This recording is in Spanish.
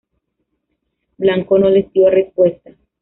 Blanco no les dio respuesta.